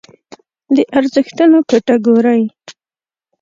د ارزښتونو کټګورۍ